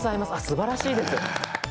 すばらしいです。